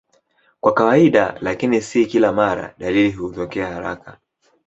Kwa kawaida, lakini si kila mara, dalili hutokea haraka.